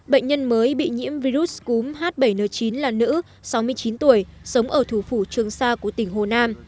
bệnh nhân mới bị nhiễm virus cúm h bảy n chín là nữ sáu mươi chín tuổi sống ở thủ phủ trường sa của tỉnh hồ nam